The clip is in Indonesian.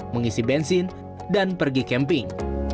mengisi bensin dan pergi camping